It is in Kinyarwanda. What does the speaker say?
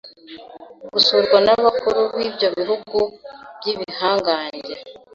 gusurwa n’abakuru b’ibyo bihugu by’ibihangange.